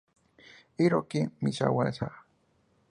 Hiroki Miyazawa